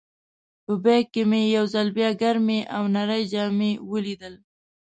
په بیک کې مې یو ځل بیا ګرمې او نرۍ جامې ولیدل.